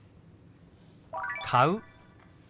「買う」。